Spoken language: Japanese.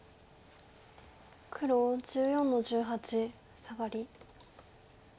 黒１４の十八サガリ。